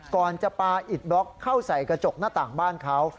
ก่อนจะปลาอิดบล็อกเข้าใส่กระจกหน้าต่างบ้านเขา